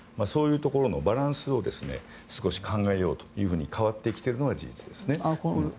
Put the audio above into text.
そういうところのバランスを少し考えようと変わってきているのが事実ですね。